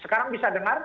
sekarang bisa dengar